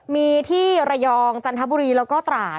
มีที่ระยองจันทบุรีแล้วก็ตราด